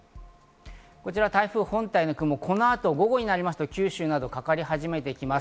台風本体の雲、この後、午後になりますと、九州などにかかり始めていきます。